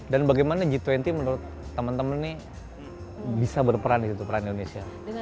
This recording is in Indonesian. dan bagaimana g dua puluh menurut teman teman ini bisa berperan di situ peran indonesia